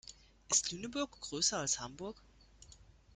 Ist Lüneburg größer als Hamburg?